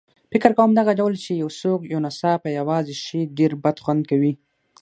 فکر کوم دغه ډول چې یو څوک یو ناڅاپه یوازې شي ډېر بدخوند کوي.